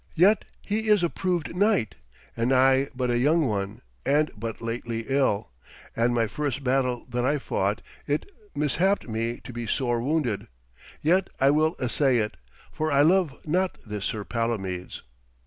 Yet he is a proved knight, and I but a young one and but lately ill; and my first battle that I fought, it mishapped me to be sore wounded. Yet I will essay it, for I love not this Sir Palomides.'